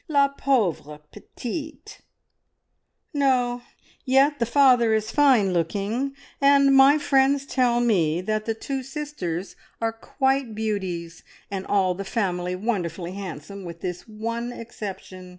La pauvre petite!" "No; yet the father is fine looking, and my friends tell me that the two sisters are quite beauties, and all the family wonderfully handsome with this one exception.